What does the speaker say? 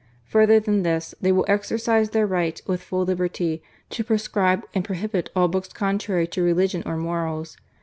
Further than this, they will exercise their right, with full liberty, to proscribe and prohibit all books contrary to religion or morals.